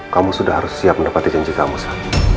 kamu sudah harus siap mendapati janji kamu sa